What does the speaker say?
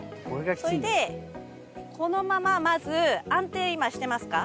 それでこのまままず安定してますか？